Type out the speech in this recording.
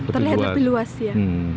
terlihat lebih luas ya